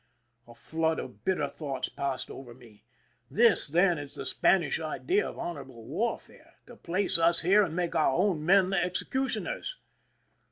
A flood of bitter thoughts passed over me: " This, then, is the Spanish idea of honorable war fare—to place us here, and make our own men the executioners